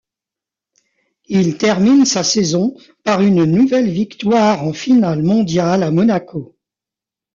Il termine sa saison par une nouvelle victoire en finale mondiale à Monaco.